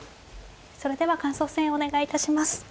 それでは感想戦お願い致します。